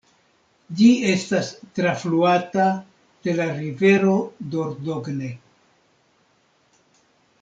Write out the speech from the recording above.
Ĝi estas trafluata de la rivero Dordogne.